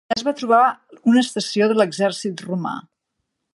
Allà es va trobar una estació de l"exercit romà.